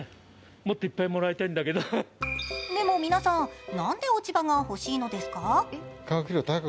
でも皆さん何で落ち葉が欲しいんですか？